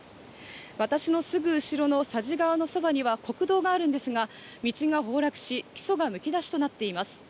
私のすぐ後ろの佐治川のそばには国道があるんですが、道が崩落し、基礎がむき出しとなっています。